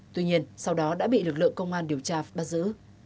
tuy nhiên sau đó đã bị lực lượng công an điều tra bắt giữ